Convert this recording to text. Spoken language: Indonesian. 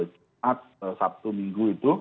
jumat sabtu minggu itu